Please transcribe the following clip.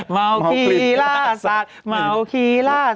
เมาคลีล่าสัตว์เมาคลีล่าสัตว์